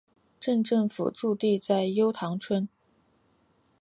镇政府驻地在筱埕村。